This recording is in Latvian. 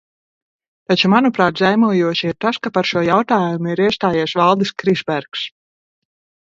Taču, manuprāt, zaimojoši ir tas, ka par šo jautājumu ir iestājies Valdis Krisbergs.